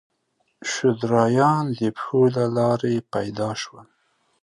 شودرایان د پښو له لارې پیدا شول.